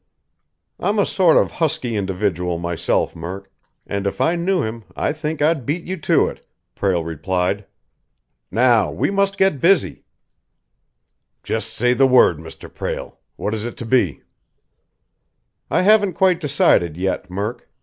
"I'm a sort of husky individual myself, Murk, and, if I knew him, I think I'd beat you to it," Prale replied. "Now we must get busy!" "Just say the word, Mr. Prale. What is it to be?" "I haven't quite decided yet, Murk.